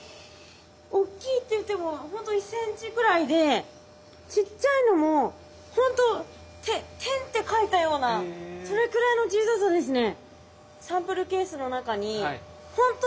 大きいっていってもほんと１センチくらいでちっちゃいのもほんと点って書いたようなそれくらいの小ささですね。